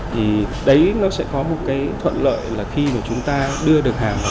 thì đấy nó sẽ có một cái thuận lợi là khi mà chúng ta đưa được hàng